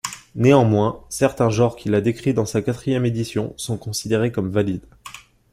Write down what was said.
Néanmoins, certains genres qu'il a décrits dans sa quatrième édition sont considérés comme valides.